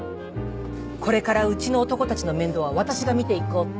これからうちの男たちの面倒は私が見ていこうって。